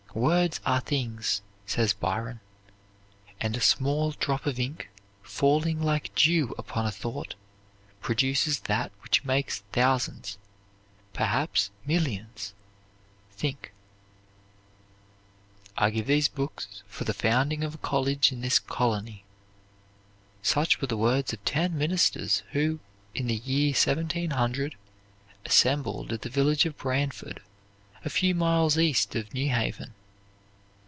"Words are things" says Byron, "and a small drop of ink, falling like dew upon a thought, produces that which makes thousands, perhaps millions, think." "I give these books for the founding of a college in this colony"; such were the words of ten ministers who in the year 1700 assembled at the village of Branford, a few miles east of New Haven.